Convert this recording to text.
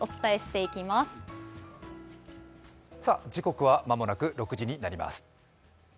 時刻は間もなく６時になります。